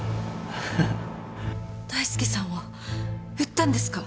大介さんを売ったんですか？